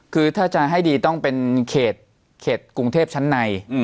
คือถ้าจะให้ดีต้องเป็นเขตกรุงเทพชั้นใน